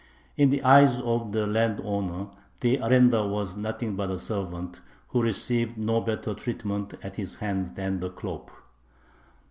In the eyes of the landowner the arendar was nothing but a servant, who received no better treatment at his hands than the khlop.